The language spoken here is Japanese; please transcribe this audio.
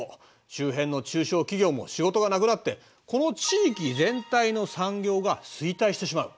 周辺の中小企業も仕事がなくなってこの地域全体の産業が衰退してしまう。